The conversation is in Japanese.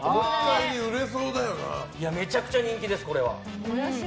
めちゃくちゃ人気です、これは。